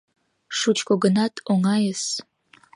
Шучко гынат, оҥайыс.